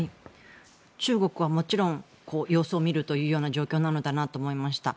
中国はもちろん様子を見るというような状況なのだなと思いました。